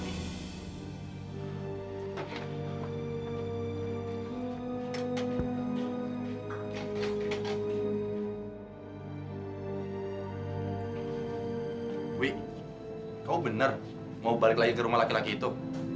wi kau benar mau balik lagi ke rumah laki laki itu